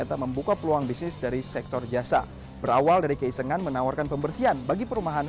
dimulainya dari keisengan menawarkan jasa pembersihan rumah